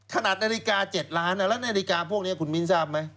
ขนาดนาฬิกา๗ล้านอ่ะแล้วนาฬิกาพวกนี้คุณมี๊นท์ทราบมั้ย